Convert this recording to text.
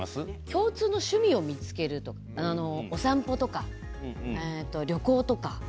共通の趣味を見つけてお散歩とか、旅行とか。